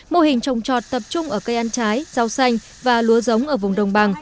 mô hình trồng trọt tập trung ở cây ăn trái rau xanh và lúa giống ở vùng đồng bằng